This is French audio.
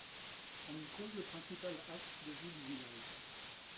On y trouve le principal axe de vie du village.